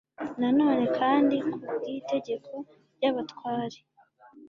nanone kandi ku bw'itegeko ry'abatware